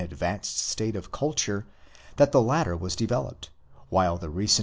advanced state of culture, that the latter was developed, while the recent.